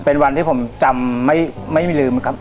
เป็นวันที่ผมจำไม่มีลืมครับ